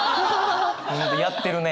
やってるね。